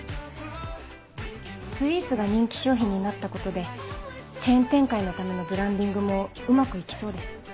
スイーツが人気商品になったことでチェーン展開のためのブランディングもうまく行きそうです。